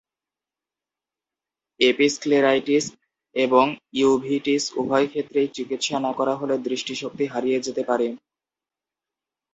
Episcleritis এবং uveitis উভয় ক্ষেত্রেই চিকিৎসা না করা হলে দৃষ্টিশক্তি হারিয়ে যেতে পারে।